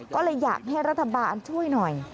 ก็เลยอยากให้รัฐบาลช่วยหน่อย